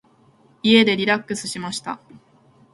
家でリラックスしました。